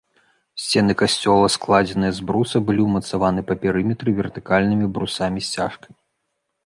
Сцены касцёла, складзеныя з бруса, былі ўмацаваны па перыметры вертыкальнымі брусамі-сцяжкамі.